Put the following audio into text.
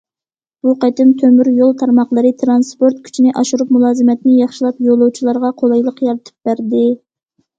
بۇ قېتىم تۆمۈر يول تارماقلىرى تىرانسپورت كۈچىنى ئاشۇرۇپ، مۇلازىمەتنى ياخشىلاپ، يولۇچىلارغا قولايلىق يارىتىپ بەردى.